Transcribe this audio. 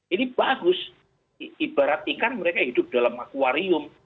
ini bagus ibarat ikan mereka hidup dalam akwarium